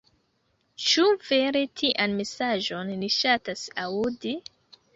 Ĉu vere tian mesaĝon ni ŝatas aŭdi?